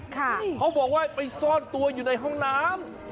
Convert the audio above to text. เขาบอกว่าไปซ่อนตัวอยู่ในห้องน้ำ